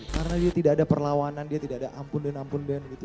karena dia tidak ada perlawanan dia tidak ada ampun dan ampun dan gitu